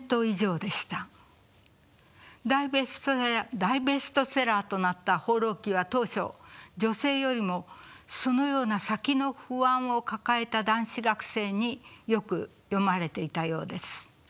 大ベストセラーとなった「放浪記」は当初女性よりもそのような先の不安を抱えた男子学生によく読まれていたようです。